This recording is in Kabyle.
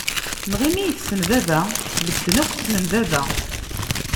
Neɣ imi yessen baba? Medden akk snen baba.